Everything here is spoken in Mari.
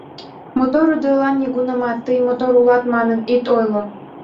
Мотор ӱдырлан нигунамат, тый мотор улат манын, ит ойло.